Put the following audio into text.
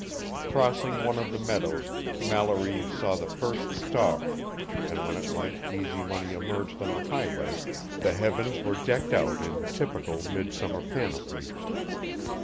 Crossing one of the meadows, Mallory saw the first star, and when at length Easy Money emerged on the highway, the heavens were decked out in typical midsummer panoply.